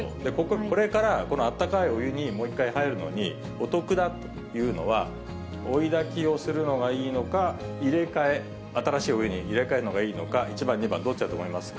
これからこのあったかいお湯にもう一回入るのに、お得だというのは、追いだきをするのがいいのか、入れ替え、新しいお湯に入れ替えるのがいいのか、１番、２番、どっちだと思いますか。